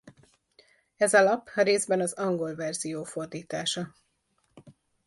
Ez a lap részben az angol verzió fordítása.